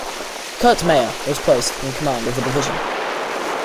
Kurt Meyer was placed in command of the division.